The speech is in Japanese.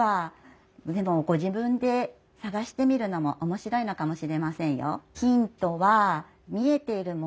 でもご自分で探してみるのも面白いのかもしれませんよ。